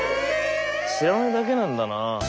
知らないだけなんだなあ。